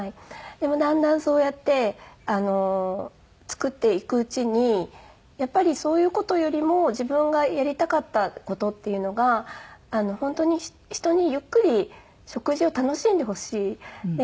でもだんだんそうやって作っていくうちにやっぱりそういう事よりも自分がやりたかった事っていうのが本当に人にゆっくり食事を楽しんでほしい。